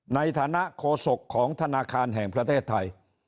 ในฐานะโฆษกของธนาคารแห่งประเทศไทย